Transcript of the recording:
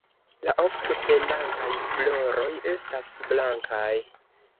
La ofte pendantaj floroj estas blankaj.